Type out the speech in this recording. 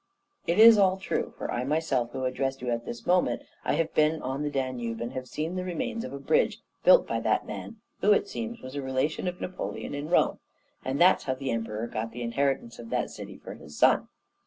It is all true, for I myself who address you at this moment, I have been on the Danube, and have seen the remains of a bridge built by that man, who, it seems, was a relation of Napoleon in Rome, and that's how the Emperor got the inheritance of that city for his son.